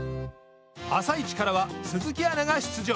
「あさイチ」からは鈴木アナが出場。